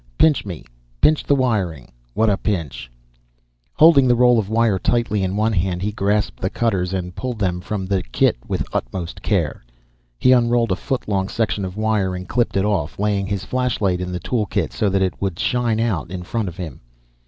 Pinch me, pinch the wiring What a pinch!" Holding the roll of wire tightly in one hand, he grasped the cutters and pulled them from the kit with utmost care. He unrolled a foot long section of wire and clipped it off, laying his flashlight in the tool kit so that it would shine out in front of him.